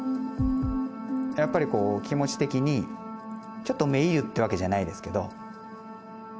やっぱりこう気持ち的にちょっとめいるっていうわけじゃないですけど。